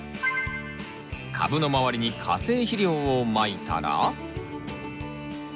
株の周りに化成肥料をまいたら。